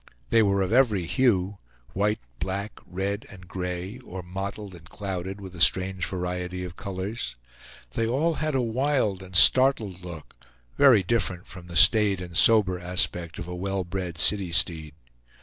They were of every hue white, black, red, and gray, or mottled and clouded with a strange variety of colors. They all had a wild and startled look, very different from the staid and sober aspect of a well bred city steed.